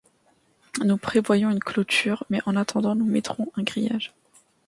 nous prévoyons une clôture, mais en attendant nous mettrons un grillage